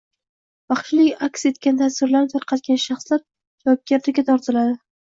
Vahshiylik aks etgan tasvirlarni tarqatgan shaxslar javobgarlikka tortildi